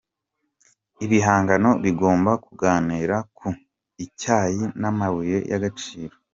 Ibihangano bigomba kunganira Ku Icyayi n’amabuye y’agaciro